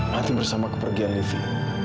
mati bersama kepergian livi